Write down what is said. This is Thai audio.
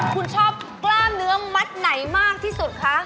คุณชอบกล้ามเนื้อมัดไหนมากที่สุดคะ